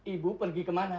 ibu pergi kemana